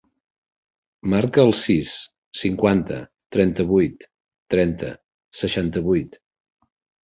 Marca el sis, cinquanta, trenta-vuit, trenta, seixanta-vuit.